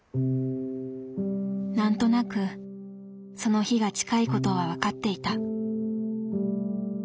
なんとなくその日が近いことはわかっていた。